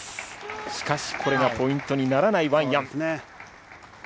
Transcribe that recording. しかしこれがポイントにならない、ワン・ヤン。